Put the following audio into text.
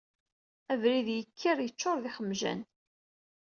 Abrid yekker yeččur d ixmjan.